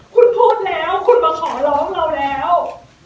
คุณพูดแล้วคุณมาขอร้องเราแล้ว